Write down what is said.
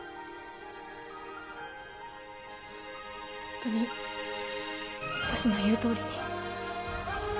ホントに私の言うとおりに？